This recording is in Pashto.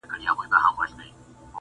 o هغې ته درد لا ژوندی دی,